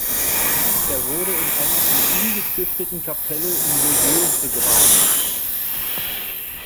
Er wurde in einer von ihm gestifteten Kapelle in Joyeuse begraben.